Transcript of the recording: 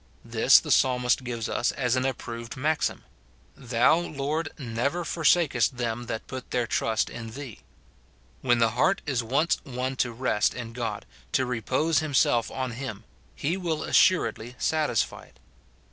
This the Psalmist gives us as an approved maxim, " Thou, Lord, never forsakest them that put their trust in thee." When the heart is once won to rest in God, to repose himself on him, he will assuredly satisfy it.